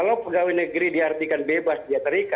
kalau pegawai negeri diartikan bebas dia terikat